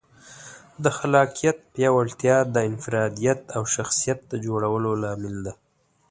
د خلاقیت پیاوړتیا د انفرادیت او شخصیت د جوړولو لامل ده.